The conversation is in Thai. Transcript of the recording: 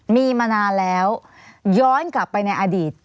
มีมานานแล้วย้อนกลับไปในอดีต